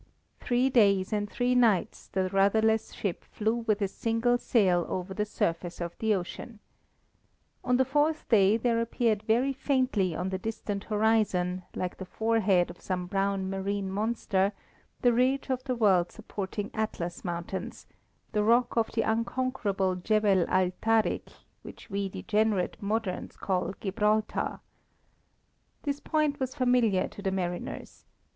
Three days and three nights the rudderless ship flew with a single sail over the surface of the ocean. On the fourth day there appeared very faintly on the distant horizon, like the forehead of some brown marine monster, the ridge of the world supporting Atlas mountains, the rock of the unconquerable Gebel al Tarik, which we degenerate moderns call Gibraltar. This point was familiar to the mariners.